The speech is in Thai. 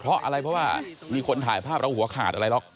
เพราะอะไรเพราะว่ามีคนถ่ายภาพแล้วหัวขาดอะไรหรอก